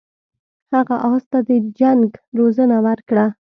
هغه اس ته د جنګ روزنه ورکړه.